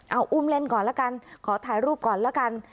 เอาอุ้มเล่นก่อนละกันขอถ่ายรูปก่อนแล้วกัน